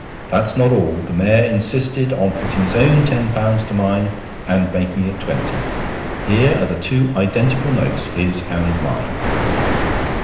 _') That's not all. The Mayor insisted on putting his own ten pounds to mine and making it twenty. Here are the two identical notes, his and mine.'